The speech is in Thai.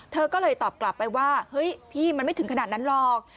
เธอก็เลยตอบกลับไปว่าเฮ้ยพี่มันไม่ถึงขนาดนั้นหรอก